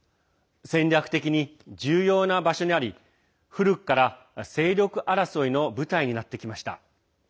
戦略的に重要な場所にあり古くから勢力争いの舞台になってきました。